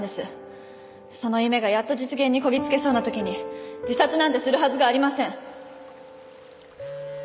その夢がやっと実現にこぎ着けそうな時に自殺なんてするはずがありません。